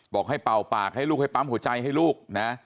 บอกให้เป่าปากให้ลูกให้ปั๊มหัวใจให้ลูกนะ